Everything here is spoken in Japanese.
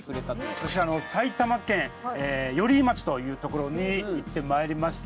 私は埼玉県寄居町というところに行ってまいりました。